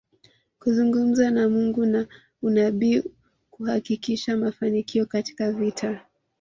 Kuzungumza na Mungu na unabii kuhakikisha mafanikio katika vita